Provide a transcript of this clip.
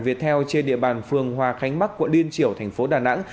việt theo trên địa bàn phường hòa khánh bắc quận điên triều tp đà nẵng